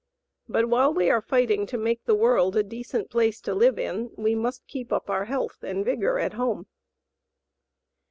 But while we are fighting to make the world a decent place to live in, we must keep up our health and vigor at home.